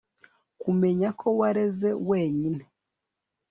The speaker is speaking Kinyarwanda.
kumenya ko wareze wenyine